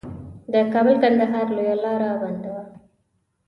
د کابل کندهار لویه لار بنده وه.